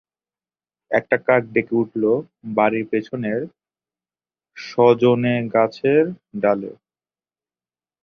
একটা কাক ডেকে উঠল বাড়ির পেছনের শজনেগাছের ডালে।